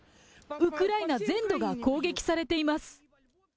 ウクライナ全土が攻撃されています。